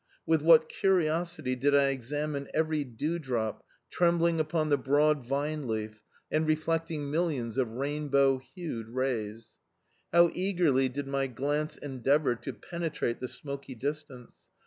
With what curiosity did I examine every dewdrop trembling upon the broad vine leaf and reflecting millions of rainbowhued rays! How eagerly did my glance endeavour to penetrate the smoky distance!